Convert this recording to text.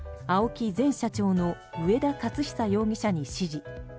前社長の上田雄久容疑者に指示。